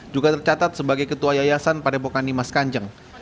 juga tercatat sebagai ketua yayasan pada epokan dimas kanjeng